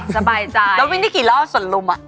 สบายใจแล้ววิ่งได้กี่รอบส่วนลุมอ่ะ